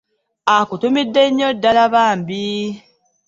Akutumidde nnyo ddala bambi.